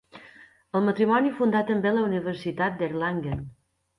El matrimoni fundà també la Universitat d'Erlangen.